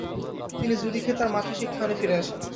তিনি জুরিখে তার মাতৃশিক্ষায়নে ফিরে আসেন।